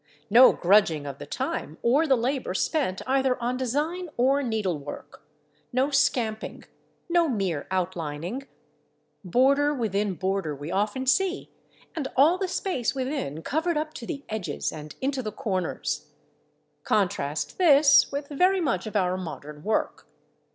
No grudging of the time or the labour spent either on design or needlework; no scamping; no mere outlining. Border within border we often see, and all the space within covered up to the edges and into the corners. Contrast with this very much of our modern work.